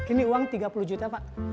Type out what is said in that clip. ini uang tiga puluh juta pak